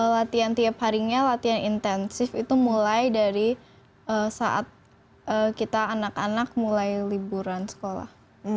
latihan tiap harinya latihan intensif itu mulai dari saat kita anak anak mulai liburan sekolah